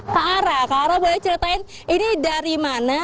kak ara boleh ceritain ini dari mana